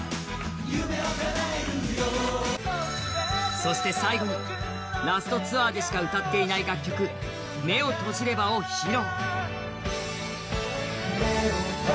そして最後にラストツアーでしか歌っていない楽曲、「目を閉じれば」を披露。